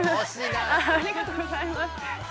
ありがとうございます。